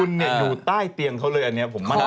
คู่ที่คุณอยู่ใต้เตียงเขาเลยอันนี้ผมมัน